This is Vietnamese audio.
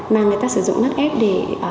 mà người ta sử dụng nước ép để